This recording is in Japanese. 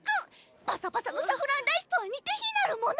パサパサのサフランライスとは似て非なるもの！